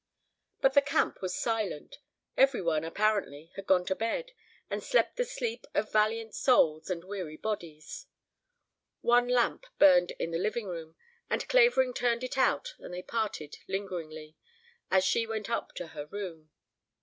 But the camp was silent. Every one, apparently, had gone to bed, and slept the sleep of valiant souls and weary bodies. One lamp burned in the living room, and Clavering turned it out and they parted lingeringly, and she went up to her room.